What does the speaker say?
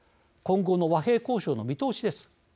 今後の和平交渉の見通しです。